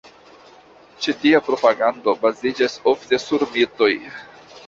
Ĉi tia propagando baziĝas ofte sur mitoj.